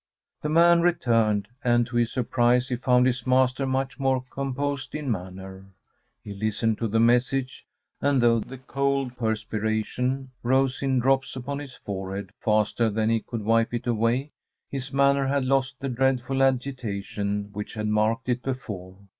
The man returned, and to his surprise he found his master much more composed in manner. He listened to the message, and though the cold perspiration rose in drops upon his forehead faster than he could wipe it away, his manner had lost the dreadful agitation which had marked it before.